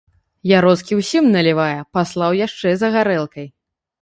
Яроцкі ўсім налівае, паслаў яшчэ за гарэлкай.